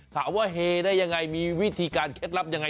เฮได้ยังไงมีวิธีการเคล็ดลับยังไง